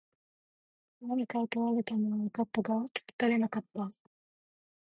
何か問われたのは分かったが、聞き取れなかった。